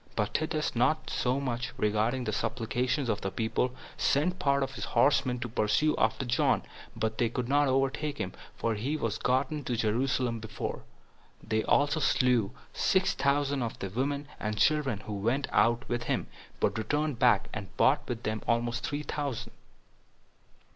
But Titus, not so much regarding the supplications of the people, sent part of his horsemen to pursue after John, but they could not overtake him, for he was gotten to Jerusalem before; they also slew six thousand of the women and children who went out with him, but returned back, and brought with them almost three thousand.